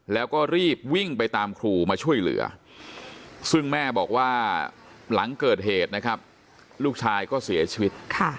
แล้วก็รีบวิ่งไปตามครูมาช่วยเหลือซึ่งแม่บอกว่าหลังเกิดเหตุนะครับลูกชายก็เสียชีวิต